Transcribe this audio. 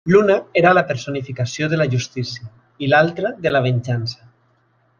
L'una era la personificació de la justícia i l'altra de la venjança.